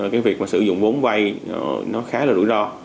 cái việc mà sử dụng vốn vay nó khá là rủi ro